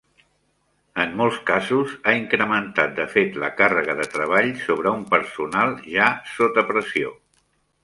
En molts casos, ha incrementat de fet la càrrega de treball sobre un personal ja sota pressió.